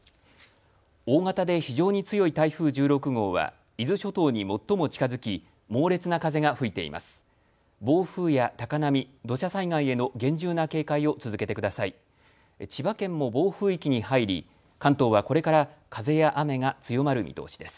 大型で非常に強い台風１６号は伊豆諸島に最も近づき猛烈な風が吹いています。